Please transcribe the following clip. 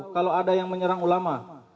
kalau ada yang menyerang ulama